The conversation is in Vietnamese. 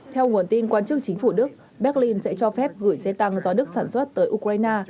theo nguồn tin quan chức chính phủ đức berlin sẽ cho phép gửi xe tăng do đức sản xuất tới ukraine